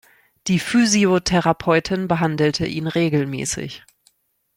Die Physiotherapeutin behandelt ihn regelmässig.